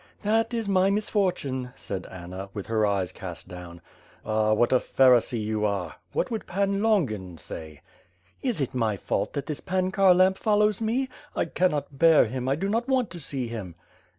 "That is my misfortune, said Anna, with her eyes cast down. "Ah, what a Pharisee you are! What would Pan Longin say? "Is it my fault that this Pan Kharlamp follows me? I cannot bear him; I do not want to see him."